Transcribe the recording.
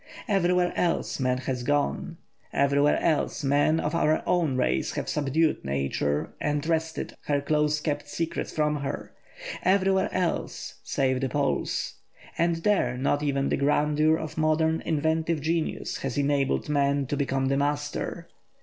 Everywhere else man has gone; everywhere else men of our own race have subdued Nature and wrested her close kept secrets from her; everywhere else save the Poles, and there not even the grandeur of modern inventive genius has enabled man to become the master.